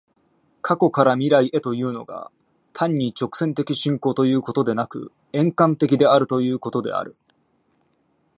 過去から未来へというのが、単に直線的進行ということでなく、円環的であるということである。